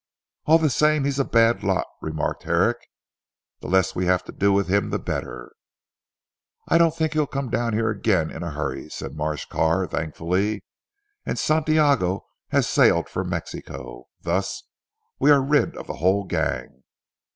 "All the same he is a bad lot," remarked Herrick, "the less we have to do with him the better." "I don't think he'll come down here again in a hurry," said Marsh Carr thankfully, "and Santiago has sailed for Mexico. Thus we are rid of the whole gang.